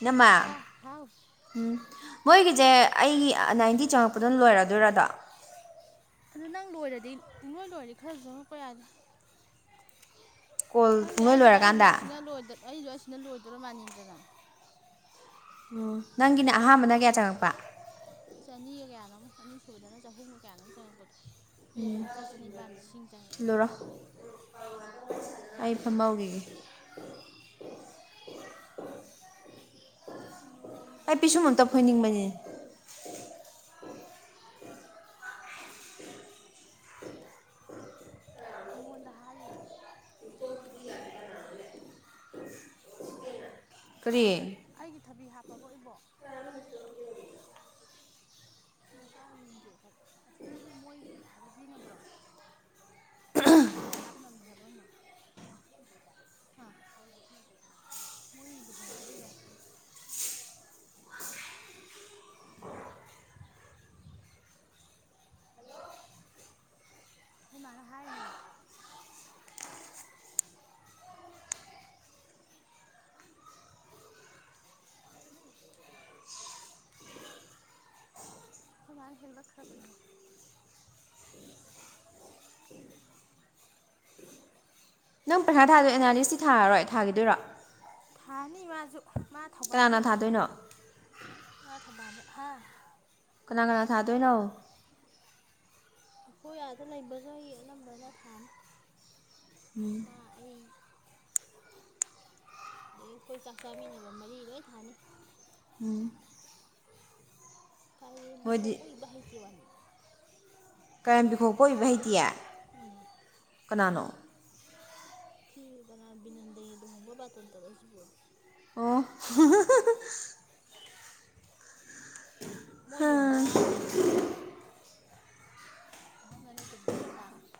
ꯏꯟꯅꯥꯝꯃꯥ ꯇꯥ ꯍꯥꯎ ꯎꯝ ꯃꯣꯏꯒꯤꯁꯦ ꯑꯩꯒꯤ ꯅꯥꯏꯟꯇꯤ ꯆꯪꯉꯛꯄꯗꯅ ꯂꯣꯏꯔꯗꯣꯏꯔꯗꯣ ꯑꯗꯨ ꯅꯪ ꯂꯣꯏꯔꯗꯤ ꯄꯨꯡꯂꯣꯏ ꯂꯣꯏꯔꯗꯤ ꯈꯔꯁꯨ ꯆꯪꯉꯛꯄ ꯌꯥꯏꯗꯥ ꯀꯣꯜ ꯈꯪꯗꯦ ꯄꯨꯡꯂꯣꯏ ꯑꯩꯁꯨ ꯑꯩꯁꯨ ꯂꯣꯏꯔꯀꯥꯟꯗ ꯑꯁꯤꯅ ꯂꫭꯏꯗꯥ ꯑꯩꯁꯨ ꯑꯁꯤꯅ ꯂꯣꯏꯗꯧꯔ ꯃꯅꯤꯗꯅ ꯑꯣ ꯅꯪꯒꯤꯅ ꯑꯍꯥꯟꯕꯅ ꯀꯌꯥ ꯆꯪꯉꯛꯄ ꯆꯅꯤꯒ ꯀꯌꯥꯅꯣꯃꯥ ꯑꯅꯤꯁꯨꯨꯕꯗꯅ ꯆꯍꯨꯝꯒ ꯀꯌꯥꯅꯣꯃꯥ ꯆꯪꯉꯛꯄꯗꯣ ꯃꯤꯗꯤ ꯆꯥꯇ꯭ꯔꯠ ꯆꯅꯤꯄꯥꯥꯟ ꯂꯤꯁꯤꯡ ꯆꯪꯉꯛꯑꯦ ꯊꯤꯜꯂꯨꯔꯣ ꯈꯪꯕ꯭ꯔꯥ ꯑꯩ ꯐꯝꯃꯥꯎꯈꯤꯒꯦ ꯅꫭꯡ ꯑꯩ ꯄꯤꯁꯨꯝ ꯑꯝꯇ ꯐꫭꯏꯅꯤꯡꯕꯅꯦ ꯑꯩꯉꯣꯟꯗ ꯍꯥꯏꯔꯤꯔꯣ ꯀꯔꯤ ꯑꯩꯒꯤ ꯊꯕꯤ ꯍꯥꯞꯄꯕꫭ ꯏꯕꯣꯛ [inaudible] ꯃꯆꯥ ꯌꯦꯡꯒꯦ ꯑꯁꯤꯗꯩꯁꯦ ꯃꯣꯏ ꯌꯥꯗ ꯄꯤꯅꯕ꯭ꯔꯣ ꯊꯦꯟ ꯄꯣꯠꯇ ꯍꯥꯞꯅꯕꯅꯦ ꯍꯥꯏꯕꯔ ꯀꯩꯅꯣ [inaudible] ꯃꯣꯏ ꯂꯨꯍꫭꯡꯕꯩꯗꫭ [inaudible] ꯑꯩꯈꯣꯏ ꯃꯥꯅ ꯍꯥꯏꯔꯤꯅꯦ ꯍꯦꯛ ꯎꯆꫭ ꯀꯩꯗꯧꯔꯥꯒꯦ ꯁꯤꯗꯒꯤ ꯑꯩꯈꫭꯏ ꯃꯥꯅ ꯍꯦꯜꯂꯛꯈ꯭ꯔꯕꯅꯦ [unintelligible] ꯃꯤ ꯍꯥꯞꯐꯥꯝ [unintelligible] ꯅꯪ ꯄꯩꯈꯥ ꯊꯥꯗꯣꯏ ꯑꯦꯅꯥꯂꯤꯁꯇꯤ ꯊꯥꯔꯣꯏ ꯊꯥꯈꯤꯗꯣꯏꯔꯣ ꯊꯥꯅꯤ ꯃꯥꯁꯨ ꯃꯥ ꯊꯧꯕꯥꯜꯗ ꯀꯅꯥꯅ ꯇꯥꯏ ꯊꯥꯗꯣꯏꯅꯣ ꯃꯥ ꯊꯧꯕꯥꯜꯗ ꯍꯥ ꯀꯅꯥ ꯀꯅꯥ ꯊꯥꯗꯣꯏꯅꯣ ꯑꯩꯈꯣꯏ ꯑꯥꯗ ꯂꯩꯕ ꯈꯩ ꯑꯅꯝꯕꯅ ꯊꯥꯅꯤ ꯃꯥ ꯑꯩ ꯑꯗꯩ ꯑꯩꯈꯣꯏ ꯆꯥꯛ ꯆꯥꯃꯤꯟꯅꯕ ꯃꯔꯤ ꯂꯣꯏ ꯊꯥꯅꯤ ꯎꯝ꯫ ꯀꯥꯏꯔꯦꯝꯕꯤ ꯃꯣꯏꯗꯤ ꯈꫭꯛ ꯀꯣꯏꯕ ꯍꯥꯏꯇꯦꯋꯥꯅꯤ ꯀꯥꯏꯔꯦꯝꯕꯤ ꯈꯣꯛ ꯀꯣꯏꯕ ꯍꯩꯇꯦꯌꯦ ꯎꯝ ꯀꯅꯥꯅꯣ ꯁꯤ ꯀꯅꯥ ꯕꯤꯅꯟꯗꯒꯤ ꯂꯨꯍꯣꯡꯕ ꯕꯥꯇꯣꯟ ꯇꯧꯔꯛꯏ ꯁꯤꯕꯨꯕ ꯑꯣ [inaudible] ꯃꯣꯏ ꯌꯨꯝꯗꯣ ꯑꯥ ꯀꯩꯅꯣꯗ ꯎꯏ ꯍꯥꯏꯕꯅꯦ ꯍꯥꯎ ꯅꯅꯦ ꯇꫭꯝꯕꯤꯅꯒ ꯇꯥꯞꯄꯅꯦ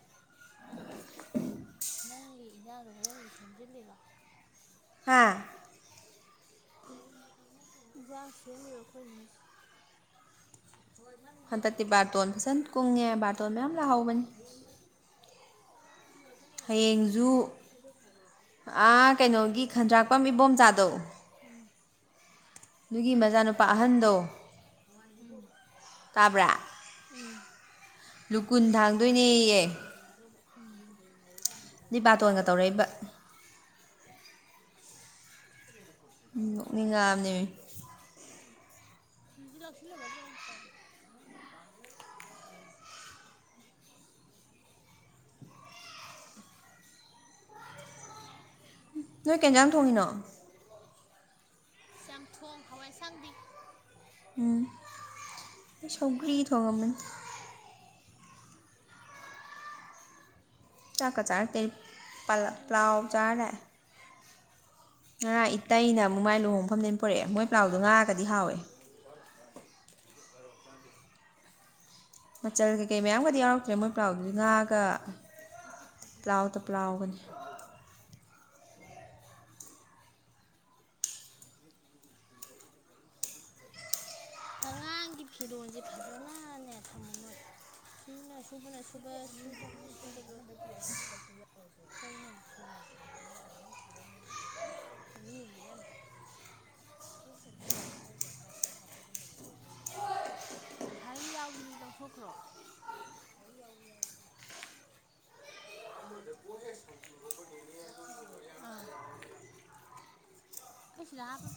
ꯅꯪꯒꯤ ꯏꯟꯖꯥꯡꯗꯣ ꯍꯣꯔꯦꯟꯒꯤ ꯁꯦꯝꯖꯤꯜꯂꯤꯔꯣ ꯍꯥꯥ [unintelligible] ꯌꯦꯟꯖꯥꯡ ꯁꯦꯝꯃꯤꯕ ꯑꯩꯈꯣꯏ ꯅꯦꯁꯦ ꯍꯣꯏ ꯅꯪꯁꯦ ꯍꯟꯗꯛꯇꯤ ꯕꯥꯔꯇꯣꯟ ꯐꯖꯅ ꯁꯃꯥꯏꯁꯨꯝ ꯀꯨꯡꯉꯦ ꯊꯝꯈ꯭ꯔꯅꯤ ꯕꯥꯔꯇꯣꯟ ꯃꯌꯥꯝ ꯂꯥꯛꯍꯧꯕꯅꯤ ꯍꯌꯦꯡꯗꯤ ꯄꯥꯛ ꯄꯨꯊꯣꯔꯛꯀꯅꯦꯕ ꯂꯩ ꯍꯌꯦꯡꯁꯨ ꯂꯩ ꯈꯨꯏꯗꯧ ꯁꯥꯎꯒꯠꯂꯥꯛꯄ ꯑꯥ ꯀꯩꯅꯣꯒꯤ ꯈꯟꯗ꯭ꯔꯥꯛꯄꯝ ꯏꯕꯣꯝꯆꯥꯗꯧ ꯎꯝ ꯑꯗꯨꯒꯤ ꯃꯆꯥꯅꯨꯄꯥ ꯑꯍꯟꯗꯣ ꯎꯝ ꯇꯥꯕ꯭ꯔꯥ ꯎꯝ ꯂꯨꯀꯨꯟꯊꯥꯡ [unintelligible] ꯄꯨꯊꯣꯔꯛꯇꯧꯕ ꯕꯥꯇꯣꯟꯒ ꯇꯧꯔꯛꯏꯕ [unintelligible] ꯅꯣꯛꯅꯤꯡꯉꯥꯛ ꯑꯕꯅꯦꯃꯤ ꯐꯤꯖꯦ ꯂꯥꯛꯁꯤꯜꯍꯧꯒꯗ꯭ꯔꯣ ꯑꯩꯕꯣ [inaudible] ꯅꯣꯏ ꯀꯩꯟꯖꯥꯡ ꯊꯣꯡꯉꯤꯅꯣ ꯆꯝ ꯊꯣꯡ ꯍꯋꯥꯏ ꯑꯁꯥꯡꯕꯤ ꯎꯝ ꯁꯧꯒ꯭ꯔꯤ ꯊꯣꯡꯉꯝꯕꯅꯤ ꯆꯥꯛꯀ ꯆꯥꯔꯛꯇꯦ ꯄꯂ ꯑꯩ ꯄ꯭ꯂꯥꯎ ꯆꯥꯔ ꯂꯥꯛꯑꯦ ꯉꯔꯥꯡ ꯏꯇꯩꯩꯅ ꯃꯨꯛꯃꯥꯏ ꯂꯨꯍꯣꯡꯐꯝꯗꯩꯅꯦ ꯄꯨꯔꯛꯑꯦ ꯃꯣꯏ ꯄ꯭ꯂꯥꯎꯗꯣ ꯉꯥꯒꯗꯤ ꯍꯥꯎꯋꯦ [inaudible] ꯃꯆꯜ ꯀꯩꯀꯩ ꯃꯌꯥꯝꯒꯗꯤ ꯌꯥꯎꯔꯛꯇ꯭ꯔꯦ ꯃꯣꯏ ꯄ꯭ꯂꯥꯎꯗꯨꯗꯤ ꯉꯥꯒ ꯄ꯭ꯂꯥꯎꯇ ꯁꯨꯝ ꯄ꯭ꯂꯥꯎꯒꯅꯤ ꯇꯧ ꯂꯩꯕ ꯍꯥꯢ [unintelligible] ꯑꯉꯥꯡꯒꯤ ꯐꯤꯔꯣꯜꯖꯦ ꯐꯖꯅꯅꯦ ꯊꯝꯃꯨ ꯅꯣꯏ ꯁꯤꯅ ꯁꯨꯕꯅ ꯁꯨꯕ ꯁꯗꯕꯅ ꯁꯨꯗꯕ [inaudible] ꯀꯩꯅꯣ [unintelligible] ꯌꯦꯡꯒꯦꯅꯦ ꯑꯝꯇ [unintelligible] ꯑꯦ ꯉꯁꯥꯏꯒꯤ ꯌꯥꯎꯕꯤꯗꯨꯗꯤ ꯂꯧꯊꯣꯛꯈ꯭ꯔꯣ [inaudible] ꯑꯃꯗꯀꯣꯍꯦꯛ ꯁꯪꯖꯤꯟꯒꯣ ꯅꯦꯅꯦ ꯑꯗꯨꯕꯨ ꯋꯌꯥꯝ ꯊꯧꯌꯥꯝꯅꯗꯅ ꯑꯩ ꯁꯤꯗꯥ ꯍꯥꯞ [inaudible]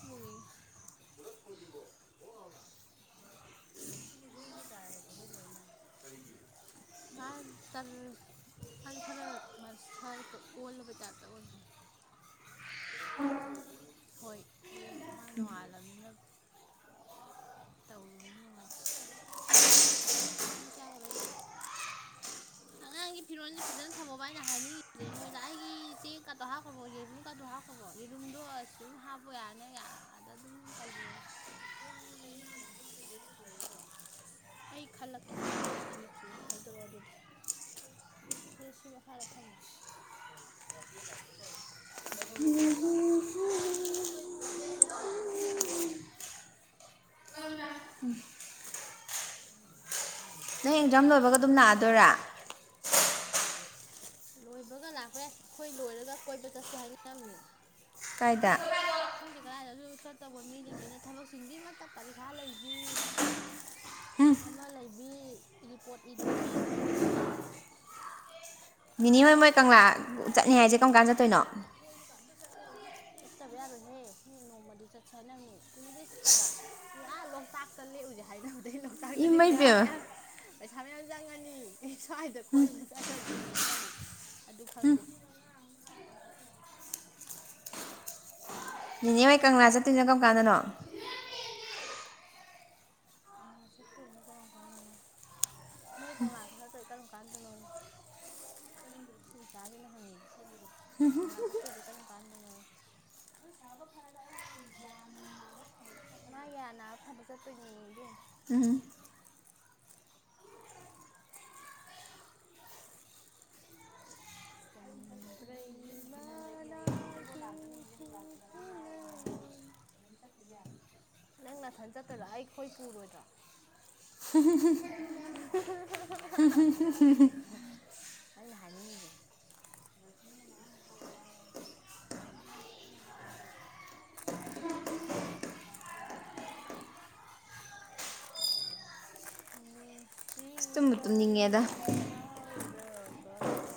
ꯁꯤꯗꯤ ꯍꯨꯏꯒꯤ ꯇꯥꯔꯦꯗꯅ ꯂꯣꯏꯅ ꯃꯥ ꯇꯜꯂꯦ ꯍꯥꯏꯗꯤ ꯈꯔ ꯃꯁꯛꯇꯣ ꯑꯣꯜꯂꯕꯩ ꯇꯥꯏꯞꯇ ꯑꯣꯢꯕꯅꯦ [unintelligible] ꯍꯣꯏ ꯑꯗꯨ ꯃꯥ ꯅꯣꯡꯉꯥꯜꯂꯝꯅꯤꯅ ꯇꯧꯔꯨꯅꯨ ꯅꯨꯡꯉꯥꯏꯇꯦ [unintelligible] ꯍꯝ ꯆꯥꯔꯣꯢ ꯑꯉꯥꯡꯒꯤ ꯐꯤꯔꯣꯟꯖꯤ ꯐꯖꯅ ꯊꯝꯃꯣꯕ ꯑꯩꯅ ꯍꯥꯏꯅꯤꯡꯉꯤꯖꯦ ꯅꯣꯏꯗ ꯑꯩꯒꯤ ꯆꯦꯛ ꯀꯥꯗꯣ ꯍꯥꯞ ꯍꯥꯞꯈ꯭ꯔꯕꯣ ꯌꯦꯔꯨꯝꯒꯥꯗꯣ ꯍꯥꯞꯈ꯭ꯔꯕꯣ ꯌꯦꯔꯨꯝꯗꯣ ꯑꯁꯨꯝ ꯍꯥꯞꯄꯣ ꯌꯥ ꯅꯤ ꯑꯗꯨꯝ ꯇꯧꯔꯨꯔꯒꯦ [unintelligible] ꯑꯩ ꯈꯜꯂꯛꯀꯦ ꯅꯣꯏꯖꯨ ꯈꯜꯂꯣ ꯁꯤꯗ ꯍꯩꯗꯣꯔꯛꯑꯣ ꯑꯗꯨꯗꯤ ꯁꯤ ꯁꯤ ꯃꯈꯥꯗ ꯊꯝꯃꯣ [inaudible] ꯉꯁꯥꯏꯅ ꯅꯔꯣꯟ ꯂꯣꯟꯕ ꯌꯥꯗ꯭ꯔꯥ ꯀꯥꯏꯅꯣ ꯍꯩꯗꯣꯛꯄ꯭ꯔꯩꯕꯨ ꯆꯥꯄꯣꯠ [inaudible] [inaudible] ꯅꯪ ꯑꯦꯛꯖꯥꯝ ꯂꯣꯏꯕꯒ ꯑꯗꯨꯝ ꯂꯥꯛꯑꯗꯣꯏꯔꯥ ꯂꯣꯏꯕꯒ ꯂꯥꯛꯄ ꯌꯥꯢ ꯈꯣꯏ ꯂꯣꯏꯔꯒ ꯀꯣꯏꯕ ꯆꯠꯁꯦ ꯍꯥꯏꯅꯝꯅꯦ ꯀꯥꯏꯗꯥ ꯈꯪꯗꯦ ꯀꯗꯥꯏꯗ ꯑꯗꯨ ꯆꯠꯇꯧꯕ ꯃꯤꯖꯤꯡꯖꯤꯅ ꯊꯕꯛ ꯆꯤꯟꯕꯤ ꯃꯠꯇ ꯄꯔꯤꯈꯥ ꯂꯩꯕꯤ [inaudible] ꯑꯃ ꯂꯩꯕꯤ ꯔꯤꯄꯣꯠ ꯏꯗꯧꯕꯤ ꯑꯗꯨꯝꯕꯤ ꯃꯛꯇ ꯅꯤꯅꯦ ꯍꯣꯏ ꯃꯣꯏ ꯀꯪꯂꯥ ꯆꯠꯅꯤ ꯍꯥꯏꯖꯦ ꯀꯝ ꯀꯥꯟ ꯆꯠꯇꯣꯏꯅꯣ ꯀꯣꯢꯕꯒ ꯑꯝꯇ ꯆꯠꯂꯨꯔꯅꯨ ꯆꯠꯇꯕ ꯌꯥꯔꯣꯏꯍꯦ ꯃꯤ ꯅꯣꯡꯃꯗꯤ ꯆꯠꯁꯦ ꯍꯥꯏꯅꯕꯅꯦ ꯀꯨꯏꯔꯦ ꯆꯠꯇꯕ ꯃꯤ ꯑꯥ ꯂꯣꯛꯇꯥꯛꯇ ꯂꯦꯛꯎꯨꯖꯦ ꯍꯥꯏꯅꯕꯗꯒꯤ ꯂꯣꯛꯇꯥꯛꯇꯗꯤ ꯏꯃꯩ ꯄꯩꯁꯥ ꯄꯦꯝꯃ ꯃꯌꯥꯝ ꯄꯩꯁꯥ ꯃꯌꯥꯝ ꯆꯪꯉꯅꯤ ꯁ꯭ꯋꯥꯏꯗ ꯀꯣꯏꯕ ꯆꯠꯂꯖꯦꯅ ꯍꯥꯏꯅꯕꯅꯦ ꯑꯗꯨ ꯈꯪꯗꯦ [inaudible] ꯅꯤꯅꯦ ꯍꯣꯢ ꯀꯪꯂꯥ ꯆꯠꯇꯣꯏꯗꯣ ꯀꯔꯝ ꯀꯥꯟꯗꯅꯣ ꯀꯪꯂꯥ ꯆꯠꯇꯨꯢꯗꯨꯅ ꯀꯔꯥꯝ ꯀꯥꯟꯗꯅꯣ ꯅꯣꯏ ꯀꯪꯂꯥ ꯆꯠꯇꯨꯢꯗꯣ ꯀꯔꯝ ꯀꯥꯟꯗ ꯅꯣ ꯀꯔꯤ ꯁꯤ ꯏꯆꯥꯁꯤꯅ ꯍꯪꯉꯤꯁꯤ ꯀꯔꯤ ꯀꯪꯂꯥ ꯆꯠꯇꯣꯏꯁꯦ ꯀꯔꯝ ꯀꯥꯟꯗꯅꯣ ꯃꯥ ꯌꯥ ꯅꯥꯕ ꯐꯔ ꯆꯠꯇꯣꯏꯅꯤ [inaudible] ꯦꯝ [inaudible] ꯎꯝ ꯭ꯔꯦꯃꯅ [inaudible] ꯅꯪ ꯅꯥꯊꯟ ꯆꯠꯇꯨꯢꯔꯣ ꯑꯩꯈꯣꯏ ꯄꯨꯔꯣꯏꯗ꯭ꯔꯣ ꯑꯩꯅ ꯍꯥꯏꯅꯤꯡꯉꯤꯁꯦ ꯆꯁꯃꯤꯍꯣ ꯋꯥ ꯆꯃꯤꯣ [inaudible] ꯏꯀ [inaudible] ꯆꯕꯅ ꯑꯁ ꯇꯨꯝꯕꯨ ꯇꯨꯝꯅꯤꯡꯉꯦꯗ [inaudible] ꯉꯥꯎꯔꯕ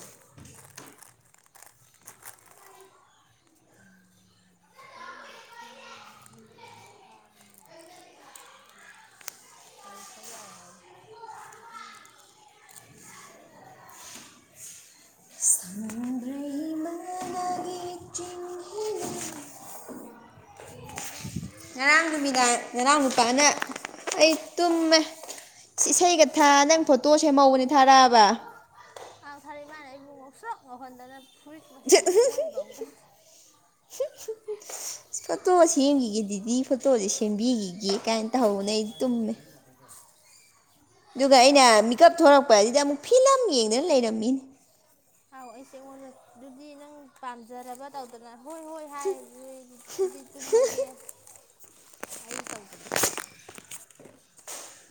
ꯃꯥ ꯃꯥꯒꯤꯕꯐꯝ ꯆꯕ [inaudible] ꯒꯥꯔꯤ ꯊꯧ ꯌꯥꯏ ꯍꯥꯏꯕꯅꯦ ꯐ [inaudible] ꯃꯅ ꯃꯡꯦ ꯑꯅꯤ [inaudible] ꯐꯩ ꯊꯣꯤ ꯌꯥꯗꯤ [inaudible] ꯅꯨꯔꯥꯕꯤ ꯉꯔꯥꯡ ꯊꯦꯡ ꯅꯨꯃꯤꯗꯥꯡ ꯉꯔꯥꯡ ꯅꯨꯄꯥꯅ [inaudible] ꯑꯩ ꯇꯨꯝꯃꯦ ꯏꯁꯩꯒ ꯊꯥ ꯅꯪ ꯐꯣꯇꯣ ꯁꯦꯝꯃꯛꯑꯣꯗꯤ ꯊꯥꯔꯛꯑꯕ ꯑ ꯊꯥꯔꯛꯏ ꯃꯥꯅ ꯑꯩꯕꯨ ꯉꯧꯁꯣꯛ ꯉꯧꯍꯟꯗꯅ ꯐꯨꯔꯤꯠ ꯃꯆꯨ ꯑꯁꯤ ꯑꯣꯟꯕ ꯃꯈꯩ [inaudible] ꯐꯣꯇꯣ ꯁꯦꯝꯈꯤꯒꯦ ꯗꯤꯗꯤ ꯐꯣꯇꯣꯁꯦ ꯁꯦꯝꯕꯤꯈꯤꯒꯦ ꯀꯥꯏꯅ ꯇꯧꯍꯧꯕꯅꯦ ꯑꯩ ꯔꯥꯏꯅ ꯇꯨꯝꯃꯦ ꯐꯨꯔꯔꯤ ꯃꯈ ꯃꯈꯩꯗ [inaudible] ꯑꯗꯨꯒ ꯑꯩꯅ ꯃꯤꯀꯞ ꯊꯣꯔꯛꯄ ꯑꯁꯤꯗ ꯑꯃꯨꯛ ꯐꯤꯂꯝ ꯌꯦꯡꯗꯅ ꯂꯩꯔꯝꯃꯤꯅꯤ ꯍꯥꯎ ꯑꯩꯁꯦ ꯑꯩꯉꯣꯟꯗ ꯑꯗꯨꯗꯤ ꯅꯪ ꯄꯥꯝꯖꯔꯕ ꯇꯧꯗꯅ ꯍꯣꯏ ꯍꯣꯏ ꯍꯥꯏ ꯑꯗꯨꯗꯗꯤ ꯑꯗꯨꯗꯤ ꯇꯨꯝꯃꯒꯦ [inaudible] ꯑꯩ ꯇꯧꯗꯅ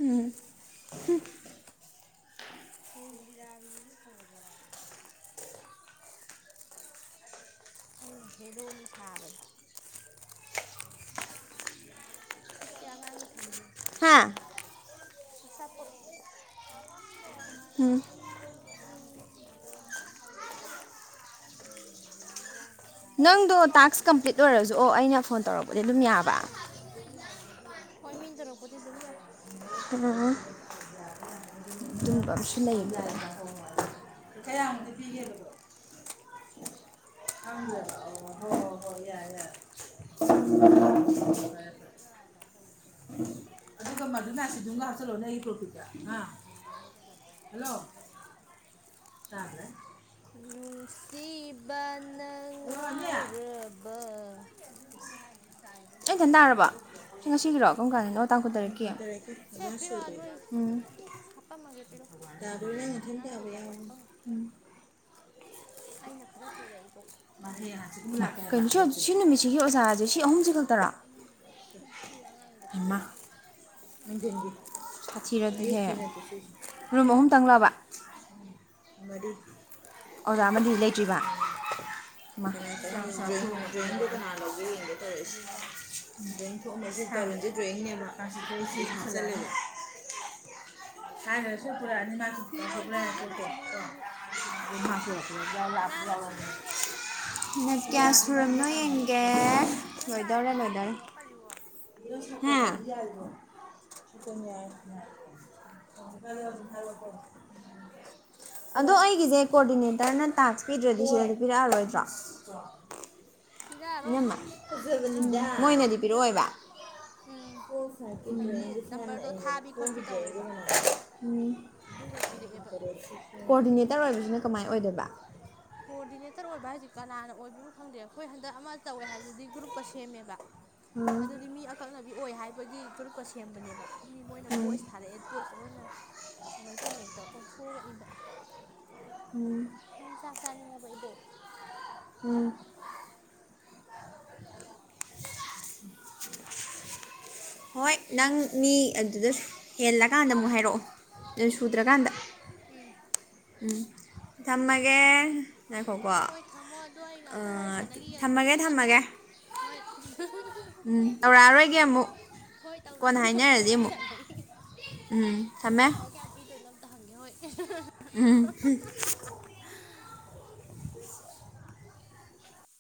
ꯎꯝ ꯍꯨꯝ ꯍꯌꯦꯡ ꯂꯤꯔꯥꯒꯤꯁꯨ ꯄꯨꯔꯒꯦꯔꯥ ꯑꯩꯅ ꯍꯦꯔꯣꯅꯤ ꯁꯥꯕ ꯢꯁ ꯁꯤ ꯑꯉꯥꯡꯒꯤ ꯊꯥꯝꯕꯤꯌꯨ ꯍꯥ ꯑꯆꯥꯄꯣꯠ ꯑꯣ ꯃꯥꯅ ꯎꯝ ꯉꯍꯥꯟ ꯄꯤꯔꯤꯕꯗꯣ ꯀꯩꯅꯣ ꯇꯧꯔꯤꯕ꯭ꯔꯥ ꯑꯩꯉꯣꯟꯗ ꯍꯦꯟꯖꯤꯟꯂꯤꯕꯔꯥ ꯇꯔꯤꯗ ꯅꯪꯗꯣ ꯇꯥꯛꯁ ꯈ [inaudible] ꯀꯝꯄ꯭ꯂꯤꯠ ꯁꯅꯥ ꯍ ꯑꯣꯏꯔꯁꯨ ꯑꯣ ꯑꯩꯅ ꯐꯣꯟ ꯇꯧꯔꯛꯄꯗꯤ ꯑꯗꯨꯝ ꯆꯖꯤ ꯌꯥꯕ ꯂꯨꯅꯉ ꯍꯥꯏꯔꯣ [inaudible] ꯍꯣꯏ ꯃꯤꯅ ꯇꯧꯔꯛꯄꯗꯤ ꯑꯗꯨꯝ ꯌꯥꯏ ꯑꯗꯨꯝꯕ ꯑꯃꯁꯨ ꯂꯩꯌꯦꯕ ꯂꯩ ꯏꯒ ꯌꯥꯦ [inaudible] ꯑꯗꯨ ꯀꯏ ꯇꯔꯛꯁꯤ ꯇꯔꯥꯛꯀꯦ ꯍꯥꯏ [inaudible] ꯍꯣꯏ ꯍꯣꯏ ꯍꯣꯏ ꯌꯥꯔ ꯌꯥꯔ [inaudible] ꯍꯌꯦꯡ ꯍꯦꯛꯑꯒ ꯀꯩꯅꯣ ꯇꯧꯕꯗꯤ ꯀꯩꯗꯧꯕ ꯗꯤꯗꯕ ꯌꯦꯡꯒꯗꯕ ꯂꯩꯕꯣ [unintelligible] ꯇꯥꯗꯔꯦ ꯅꯨꯡꯁꯤꯕꯅ ꯉꯥꯎꯔ [unintelligible] [unintelligible] [inaudible] ꯑꯩ ꯊꯟ ꯇꯥꯔꯕꯣ ꯁꯤ ꯉꯁꯤꯒꯤꯔꯣ ꯀꯔꯝ ꯀꯥꯟꯗꯅꯣ ꯇꯥꯡ ꯀꯨꯟꯇꯔꯦꯠꯀꯤ ꯄꯤꯔꯛꯑꯣ ꯅꯣꯏ ꯎꯝ ꯍꯥꯄꯝꯃꯒꯦ ꯄꯤꯔꯛꯑꯣ ꯑꯉꯥꯡꯒꯤ ꯑꯆꯥꯄꯣꯠ ꯍꯥꯄꯝꯒꯦ [unintelligible] ꯑꯩꯅ ꯈꯔ ꯄꯨꯔꯦ ꯏꯕꯣꯛ ꯀꯩꯅꯣ ꯁꯤ ꯁꯤ ꯅꯨꯃꯤꯠꯁꯤꯒꯤ ꯑꯣꯖꯥ ꯖꯤ ꯁꯤ ꯑꯍꯨꯝꯖꯤ ꯈꯛ ꯇꯁꯤ ꯑ ꯉꯥꯡꯗ ꯍꯩꯃꯥ ꯄꯤꯖꯄꯁꯤ [unintelligible] ꯀꯤꯔꯛꯍꯦ ꯔꯨꯝ ꯑꯍꯨꯝ ꯇꯪꯂꯕ ꯃꯔꯤ ꯑꯣꯖꯥ ꯑꯃꯗꯤ ꯂꯩꯇ꯭ꯔꯤꯕ [unintelligible] [unintelligible] ꯌꯦꯔꯨꯝ ꯃꯉꯥ ꯄꯨꯔꯛꯑꯣ ꯍꯥꯏꯗꯔꯁꯨ ꯄꯨꯔꯛꯑꯅꯤ ꯃꯥ ꯐꯤꯔꯣꯟꯁꯤꯡꯁꯦ ꯂꯣꯏꯁꯤꯜꯂꯨ ꯅꯪꯁꯨ ꯀꯅꯥ [unintelligible] ꯂꯣꯏꯁꯤꯟꯗꯣꯔꯤꯒꯦ ꯃꯤꯅꯠ ꯀꯌꯥ ꯁꯨꯔꯝꯅꯣ ꯌꯦꯡꯒꯦ ꯐꯖꯅ ꯆꯥꯏ ꯂꯣꯏꯗꯧꯔꯦ ꯂꯣꯏꯗꯧꯔꯦ ꯑꯉꯥꯡꯒꯤꯋꯣ ꯀꯔꯤꯋꯣ [unintelligible] ꯊꯀ [unintelligible] ꯑꯗꯣ ꯑꯩꯒꯤꯖꯦ ꯀꯣꯗꯤꯅꯦꯇꯔꯅ ꯇꯥꯛꯁ ꯄꯤꯗ꯭ꯔꯗꯤ ꯁꯤꯗ ꯄꯤꯔꯛꯑꯔꯣꯏ ꯆꯥꯛ [unintelligible] ꯄꯤꯔꯛꯑꯔꯣꯏ ꯏꯅꯝꯃ ꯐꯖꯕꯅꯤꯗ ꯄꯤꯔꯛꯑꯔꯣꯏ ꯃꯣꯏꯅꯗꯤ ꯄꯤꯔꯛ ꯄꯤꯔꯛꯑꯣꯏꯕ ꯎꯝ ꯍꯥꯏꯕꯗꯤ ꯅꯝꯕꯔꯗꯣ ꯊꯥꯕꯤ ꯈꯣꯠꯄꯤ ꯇꯧꯋꯦꯕ [unintelligible] ꯑꯗꯨꯒ ꯄꯤꯔꯛꯑꯦꯕ ꯀꯣꯑꯣꯗꯤꯅꯦꯇꯔ ꯑꯣꯏꯕꯁꯤꯅ ꯀꯃꯥꯏꯅ ꯑꯣꯏꯗꯣꯏꯕ ꯀꯣꯑꯣꯗꯤꯅꯦꯇꯔ ꯑꯣꯏꯕ ꯍꯥꯏꯖꯤ ꯀꯅꯥꯅ ꯑꯣꯏꯕꯅꯣ ꯈꯪꯗꯦ ꯑꯈꫭꯏ ꯍꯟꯗꯛ ꯑꯃ ꯇꯧꯋꯦ ꯍꯥꯏꯕꯗꯨꯗꯤ ꯒ꯭ꯔꯨꯞꯀ ꯁꯦꯝꯃꯦꯕ ꯎꯝ ꯑꯗꯨꯗꯤ ꯃꯤ ꯑꯀꯛꯅꯕꯤ ꯑꯣꯏ ꯍꯥꯏꯕꯒꯤ ꯒ꯭ꯔꯨꯞꯀ ꯁꯦꯝꯕꯅꯦꯕ ꯑꯗꯨꯗꯤ ꯃꯣꯏꯅ ꯎꯝ ꯚꯣꯏꯁ ꯊꯥꯔꯛꯑꯦ ꯕꫭꯏꯁꯇ ꯑꯣꯏꯅ ꯃꯩꯇꯩ ꯃꯌꯦꯛꯇ ꯑꯣꯟꯊꯣꯛ ꯑꯒꯏꯕ ꯎꯝ ꯅꯪ ꯆꯥꯛ ꯆꯥꯅꯤꯡꯉꯕ ꯏꯕꯣꯛ ꯎꯝ ꯍꯣꯏ ꯅꯪ ꯃꯤ ꯑꯗꯨꯗ ꯍꯦꯜꯂꯀꯥꯟꯗ ꯑꯃꯨꯛ ꯍꯥꯏꯔꯛꯑꯣ ꯑꯦ ꯁꯨꯗ꯭ꯔꯀꯥꯟꯗ ꯎꯝ ꯎꯝ ꯊꯝꯃꯒꯦ ꯉꯥꯏꯈꯣꯀꯣ ꯍꯣꯏ ꯊꯝꯃꯣ ꯑꯗꫭ ꯑꯩ ꯉꯥꯛꯇ ꯋꯥꯔꯤ ꯑꯥ ꯁꯥꯟꯅꯒꯤꯒꯦ ꯑꯩꯈꯣꯏ ꯊꯝꯃꯒꯦ ꯅꯦꯒ ꯊꯝꯃꯒꯦ ꯍꯣꯏ ꯎꯝ [unintelligible] ꯇꯧꯔꯛꯑꯔꯣꯏꯒꯦ ꯑꯃꯨꯛ ꯍꯣꯏ ꯀꯣꯟꯅ ꯇꯧꯔꯛꯑꯅꯨ ꯑꯝꯇ ꯍꯥꯏꯅꯔꯁꯤ ꯋꯥꯔꯤ ꯑꯃꯨꯛ ꯁꯥꯟꯅꯩ ꯎꯝ ꯑꯩ ꯊꯝꯃꯦ ꯄꯩꯁꯥ ꯀꯌꯥ ꯄꯤꯗꯣꯏꯅꯣ ꯇꯍꯪꯒꯦ ꯍꫭꯏ ꯎꯝ [unintelligible] [unintelligible]